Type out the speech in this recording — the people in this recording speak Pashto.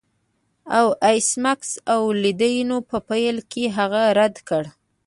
د ایس میکس والدینو په پیل کې هغه رد کړ